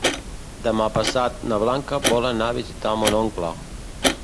Demà passat na Blanca vol anar a visitar mon oncle.